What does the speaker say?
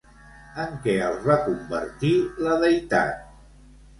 En què els va convertir, la deïtat?